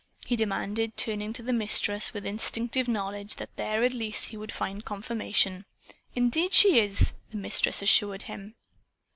he demanded, turning to the Mistress with instinctive knowledge that here at least he would find confirmation. "Indeed she is!" the Mistress assured him.